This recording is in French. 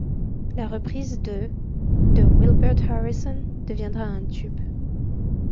La reprise de ' de Wilbert Harrison deviendra un tube.